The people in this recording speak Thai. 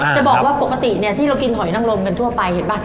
จะบอกว่าปกติที่เรากินหอยนังลมกันทั่วไปเห็นป่ะ